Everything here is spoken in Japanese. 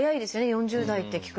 ４０代って聞くと。